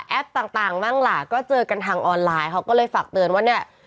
ต่างบ้างล่ะก็เจอกันทางออนไลน์เขาก็เลยฝากเตือนว่าเนี่ย